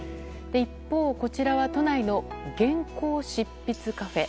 一方、こちらは都内の原稿執筆カフェ。